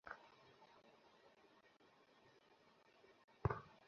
কিন্তু এখন আমাদের শত্রুকে তা জানিনা।